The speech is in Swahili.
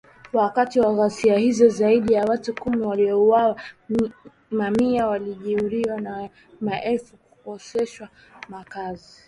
Wakati wa ghasia hizo zaidi ya watu kumi waliuawa mamia walijeruhiwa na maelfu kukoseshwa makazi